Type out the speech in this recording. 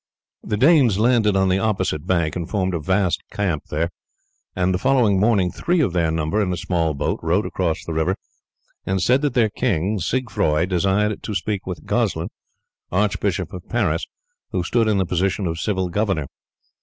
The Danes landed on the opposite bank and formed a vast camp there, and the following morning three of their number in a small boat rowed across the river and said that their king Siegfroi desired to speak with Goslin, archbishop of Paris, who stood in the position of civil governor.